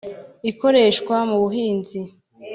ikoreshwa mu buhinzi